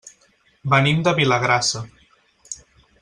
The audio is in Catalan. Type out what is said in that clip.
Venim de Vilagrassa.